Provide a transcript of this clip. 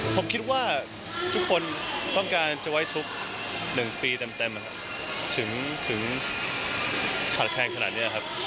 ผมคิดว่าทุกคนต้องการจะไว้ทุก๑ปีเต็มถึงขาดแคลนขนาดนี้ครับ